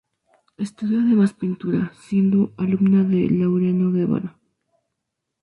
Estudió además pintura, siendo alumna de Laureano Guevara.